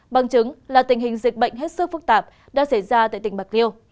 bằng chứng là tình hình dịch bệnh hết sức phức tạp đã xảy ra tại tỉnh bạc liêu